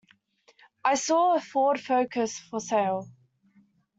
I saw a Ford Focus for sale.